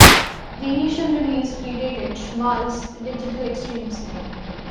The initial release pre-dated Schmalz' Digital Extremes name.